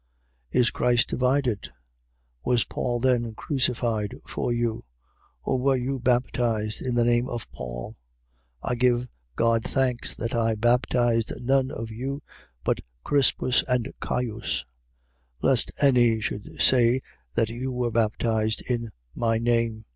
1:13. Is Christ divided? Was Paul then crucified for you? Or were you baptized in the name of Paul? 1:14. I give God thanks, that I baptized none of you but Crispus and Caius: 1:15. Lest any should say that you were baptized in my name.